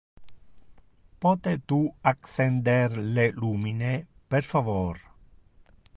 Pote tu accender le lumine, per favor?